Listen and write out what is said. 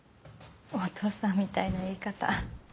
お父さんみたいな言い方。